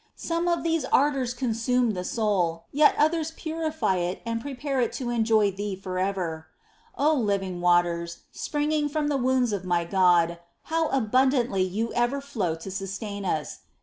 Some of these ardours consume the soul, yet others purify it and prepare it to enjoy Thee for ever. V 6. O living waters, springing from the wounds of my God, how abundantly you ever flow to sustain us